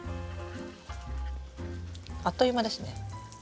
あっという間ですね。ね